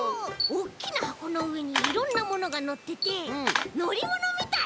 おっきなはこのうえにいろんなものがのっててのりものみたい！